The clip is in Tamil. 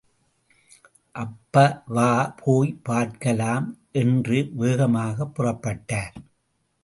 அப்ப வா போய் பார்க்கலாம் என்று வேகமாகப் புறப்பட்டார்.